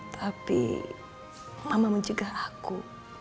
tapi mama mencegah aku